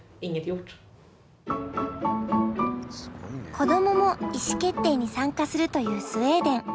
子どもも意思決定に参加するというスウェーデン。